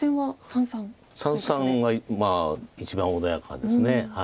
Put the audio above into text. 三々は一番穏やかです。